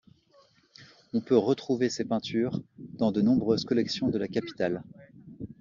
On peut retrouver ses peintures dans de nombreuses collections de la capitale.